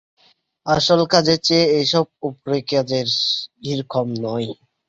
আসল কাজের চেয়ে এই-সব উপরি-কাজের ভিড় কম নয়।